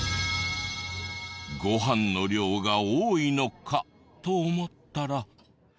ご飯の量が多いのかと思ったら。